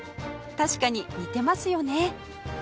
確かに似てますよね